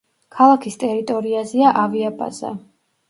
ქალაქის ტერიტორიაზეა ავიაბაზა.